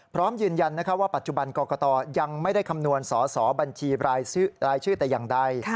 พร้อมยืนยันว่าปัจจุบันกรกตยังไม่ได้คำนวณสอสอบัญชีรายชื่อแต่อย่างใด